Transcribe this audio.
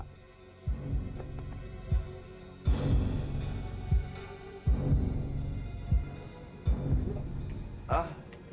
ah eh kenapa mas